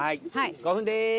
５分です。